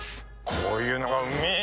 こういうのがうめぇ